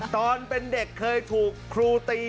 ตอนเป็นเด็กเคยถูกครูตี